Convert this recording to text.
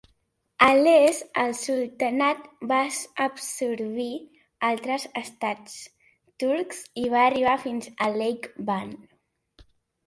A l"est, el sultanat va absorbir altres estats turcs i va arribar fins a Lake Van.